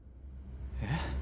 えっ？